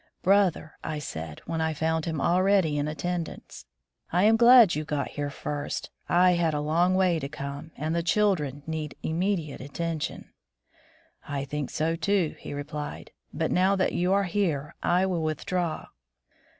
"Brother," I said, when I found him al ready in attendance, "I am glad you got here first. I had a long way to come, and the children need immediate attention." "I think so too," he replied, "but now that you are here, I will withdraw."